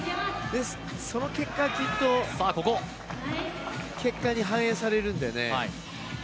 その結果が、きっと結果に反映されるのでね。